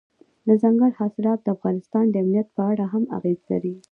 دځنګل حاصلات د افغانستان د امنیت په اړه هم اغېز لري.